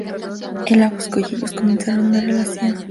Él la buscó, y ellos comenzaron una relación.